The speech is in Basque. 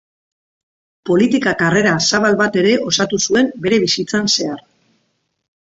Politika karrera zabal bat ere osatu zuen bere bizitzan zehar.